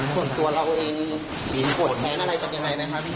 ส่วนตัวเราเองกดแทนอะไรเป็นยังไงนะครับพี่ธิ